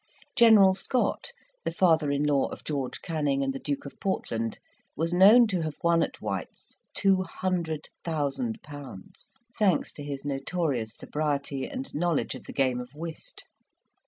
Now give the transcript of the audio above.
General Scott, the father in law of George Canning and the Duke of Portland, was known to have won at White's 200,000£.; thanks to his notorious sobriety and knowledge of the game of whist.